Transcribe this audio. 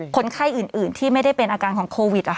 คนไข้อื่นที่ไม่ได้เป็นอาการของโควิด